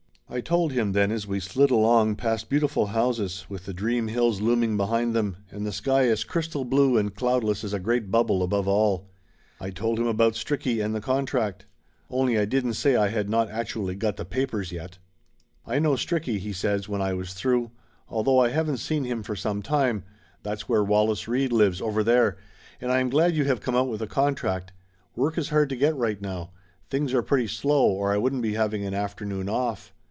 I told him then, as we slid along past beautiful houses, with the dream hills looming behind them, and the sky as crystal blue and cloudless as a great bubble above all. I told him about Stricky and the con tract. Only I didn't say I had not actually got the papers yet. 90 Laughter Limited "I know Stricky," he says when I was through. "Al though I haven't seen him for some time that's where Wallace Reid lives, over there and I am glad you have come out with a contract. Work is hard to get right now. Things are pretty slow, or I wouldn't be having an afternoon off.